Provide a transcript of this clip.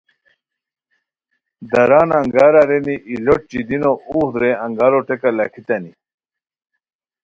داران انگار ارینی ای لوٹ چیدینو اوغ درے انگارو ٹیکہ لاکھیتانی